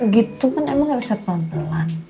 gitu kan emang gak bisa pelan pelan